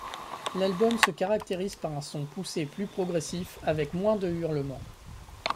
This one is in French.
L'album se caractérise par un son poussé plus progressif, avec moins de hurlements.